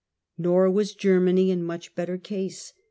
Nor was Germany in much better case.